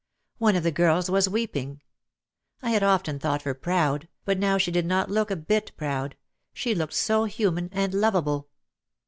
One of the girls was weeping. I had often thought her proud, but now she did not look a bit proud, she looked so human and loveable.